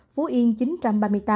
phú yên một chín trăm ba mươi tám ca